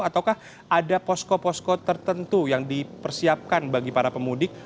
ataukah ada posko posko tertentu yang dipersiapkan bagi para pemudik